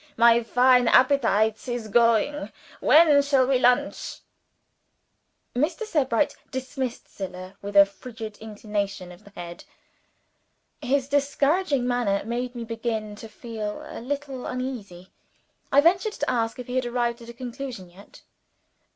"My fine appetites is going! When shall we lonch?" Mr. Sebright dismissed Zillah with a frigid inclination of the head. His discouraging manner made me begin to feel a little uneasy. I ventured to ask if he had arrived at a conclusion yet.